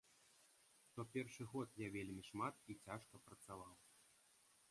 То першы год я вельмі шмат і цяжка працаваў.